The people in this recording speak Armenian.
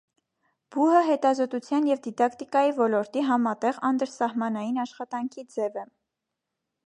Բուհը հետազոտության և դիդակտիկայի ոլորտի համատեղ անդրսահմանային աշխատանքի ձև է։